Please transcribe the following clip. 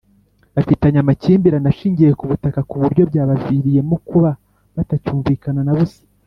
bafitanye amakimbirane ashingiye ku butaka ku buryo byabaviriyemo kuba batacyumvikana na busa.